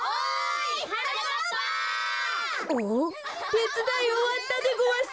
てつだいおわったでごわす！